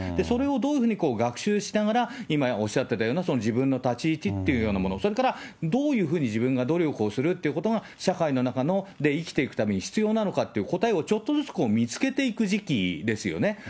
それをどういうふうに学習しながら、今おっしゃってたような、自分の立ち位置っていうようなもの、それからどういうふうに自分が努力をするってことが、社会の中で生きていくために必要なのかっていう答えをちょっとずつ見つけていく時期ですよね。